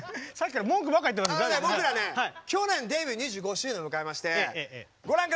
僕ら去年デビュー２５周年を迎えまして